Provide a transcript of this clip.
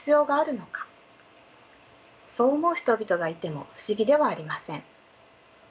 そう思う人々がいても不思議ではありません。